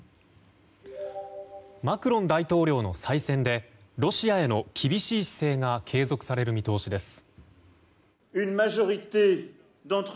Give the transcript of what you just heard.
マクロン大統領の再選でロシアへの厳しい姿勢が継続される見通しです。